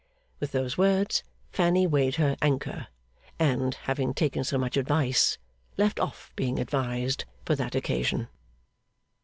With those words Fanny weighed her Anchor, and having taken so much advice left off being advised for that occasion.